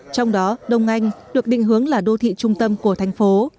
trong đó đông anh được định hướng là đô thị trung tâm của thành phố